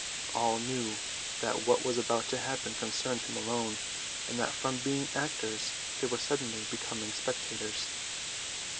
All knew that what was about to happen concerned him alone, and that from being actors they were suddenly become spectators.